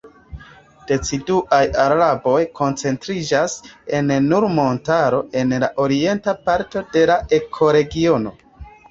Deciduaj arbaroj koncentriĝas en Nur-Montaro en la orienta parto de la ekoregiono.